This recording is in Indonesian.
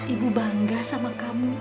ibu bangga sama kamu